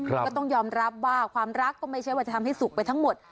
ก็ต้องยอมรับว่าความรักก็ไม่ใช่ว่าจะทำให้สุขไปทั้งหมด